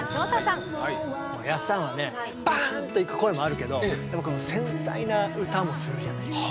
もうやっさんはねばんといく声もあるけどでもこの繊細な歌もするじゃないですか。